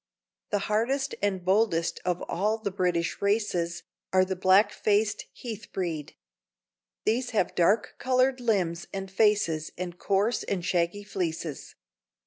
The hardiest and boldest of all the British races are the black faced Heath breed; these have dark colored limbs and faces and coarse and shaggy fleeces.